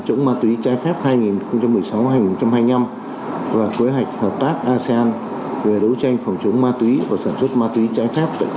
chống ma túy trái phép hai nghìn một mươi sáu hai nghìn hai mươi năm